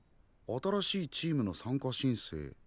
新しいチームの参加しんせい。